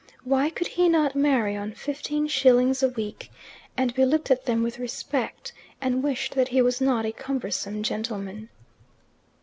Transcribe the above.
Why could he not marry on fifteen shillings a week? And be looked at them with respect, and wished that he was not a cumbersome gentleman.